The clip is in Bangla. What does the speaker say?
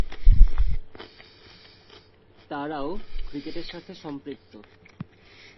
তারাও ক্রিকেটের সাথে সম্পৃক্ত্।